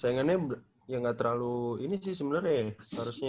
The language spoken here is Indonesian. sayangannya ya gak terlalu ini sih sebenernya ya